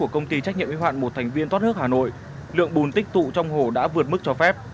cho biết lượng bùn tích tụ trong hồ đã vượt mức cho phép